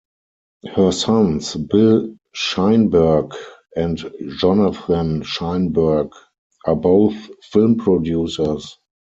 Her sons, Bill Sheinberg and Jonathan Sheinberg, are both film producers.